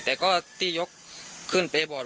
แต่ก็ที่ยกขึ้นเปรย์บอร์ด